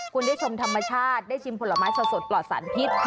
คุณได้ชมธรรมชาติได้ชิมผลไม้สดปลอดสารพิษ